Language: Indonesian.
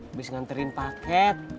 abis nganturin paket